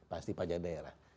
pasti pasti pajak daerah